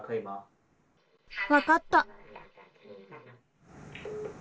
分かった。